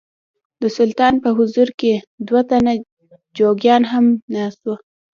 د سلطان په حضور کې دوه تنه جوګیان هم ناست وو.